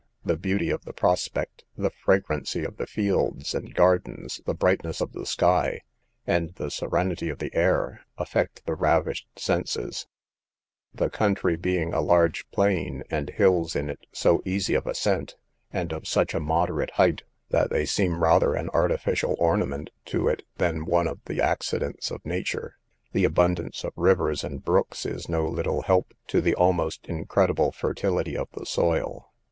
The beauty of the prospect, the fragrancy of the fields and gardens, the brightness of the sky, and the serenity of the air, affect the ravished senses; the country being a large plain, and hills in it so easy of ascent, and of such a moderate height, that they seem rather an artificial ornament to it, than one of the accidents of nature. The abundance of rivers and brooks is no little help to the almost incredible fertility of the soil.